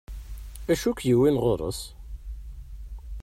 Acu ik-yewwin ɣur-s?